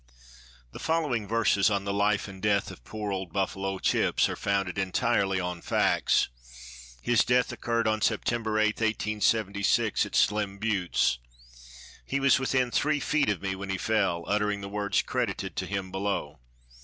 [The following verses on the life and death of poor old Buffalo Chips are founded entirely on facts. His death occurred on September 8, 1876, at Slim Buttes. He was within three feet of me when he fell, uttering the words credited to him below.